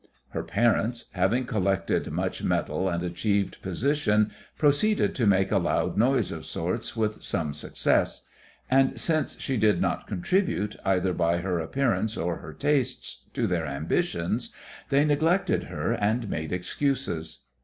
Her parents, having collected much metal and achieved position, proceeded to make a loud noise of sorts with some success; and since she did not contribute, either by her appearance or her tastes, to their ambitions, they neglected her and made excuses.